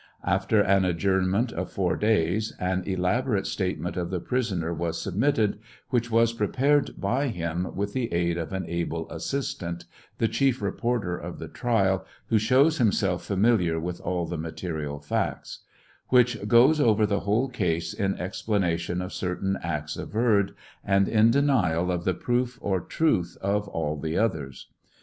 After an adjournment of four days, an elaborate statement of the prisoner was submitted, which was prepared by him, with the aid of an able assistant, (the chief reporter of the trial, who shows himself familiar with all the material facts,) which goes over the whole case in explanation of certain acts averred, and in denial of the proof or truth of all the others.